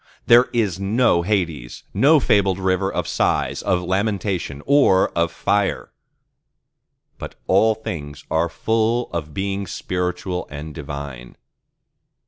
There is no Hades, no fabled rivers of Sighs, of Lamentation, or of Fire: but all things are full of Beings spiritual and divine.